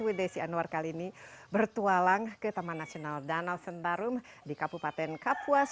with desi anwar kali ini bertualang ke taman nasional danau sentarum di kapupaten kapuas